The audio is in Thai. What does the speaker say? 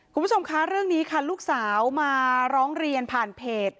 คุณผู้ชมคะเรื่องนี้ค่ะลูกสาวมาร้องเรียนผ่านเพจ